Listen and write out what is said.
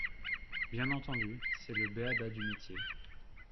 Bien entendu, c’est le b-a ba du métier.